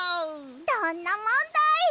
どんなもんだい！